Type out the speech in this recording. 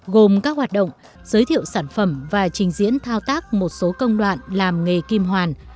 gồm các hoạt động giới thiệu sản phẩm và trình diễn thao tác một số công đoạn làm nghề kim hoàn